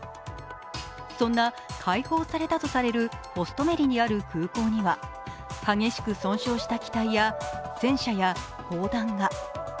そんな、解放されたとされるホストメリにある空港には激しく損傷した機体や戦車や砲弾が。